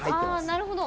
なるほど。